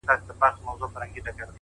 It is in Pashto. وه ه ژوند به يې تياره نه وي؛